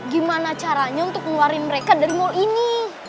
gimana caranya untuk ngeluarin mereka dari mal ini